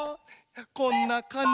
こんなかんじ？